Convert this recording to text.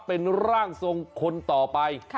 เป็นร่างทรงคนต่อไป